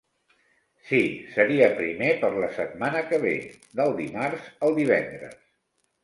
Si, seria primer per la setmana que ve, del dimarts al divendres.